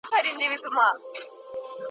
لا د پلار کیسه توده وي چي زوی خپل کوي نکلونه ,